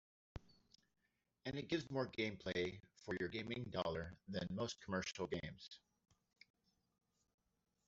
And it gives you more gameplay for your gaming dollar than most commercial games.